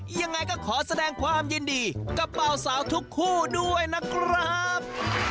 ยังไงก็ขอแสดงความยินดีกับเบาสาวทุกคู่ด้วยนะครับ